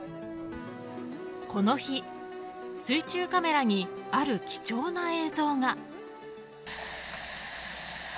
この日、水中カメラにある貴重な映像が。